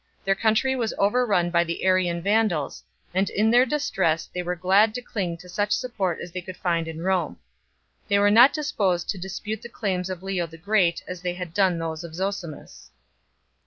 Their country was overrun by the Arian Vandals, and in their distress they were glad to cling to such support as they could find in Rome. They were not disposed to dispute the claims of Leo the Great as they had done those of Zosimus.